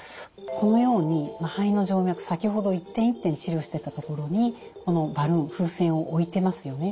このように肺の静脈先ほど一点一点治療してたところにこのバルーン風船を置いてますよね。